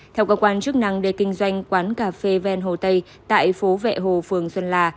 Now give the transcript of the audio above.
theo cơ quan chức năng để kinh doanh quán cà phê ven hồ tây tại phố vệ hồ phường xuân la